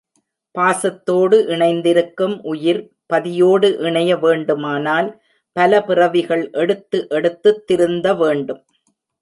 பாசத்தோடு இணைந்திருக்கும் உயிர் பதியோடு இணைய வேண்டுமானால் பல பிறவிகள் எடுத்து எடுத்துத் திருந்த வேண்டும்.